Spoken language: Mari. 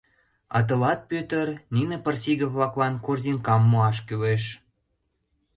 А тылат, Пӧтыр, нине пырысиге-влаклан корзинкам муаш кӱлеш.